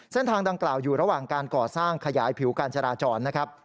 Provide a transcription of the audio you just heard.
เส้นทางดังกล่าวอยู่ระหว่างการก่อสร้างขยายผิวการจราจรนะครับ